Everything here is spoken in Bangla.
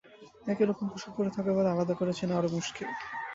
একই রকম পোশাক পরে থাকে বলে আলাদা করে চেনা আরও মুশকিল।